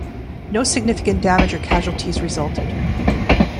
No significant damage or casualties resulted.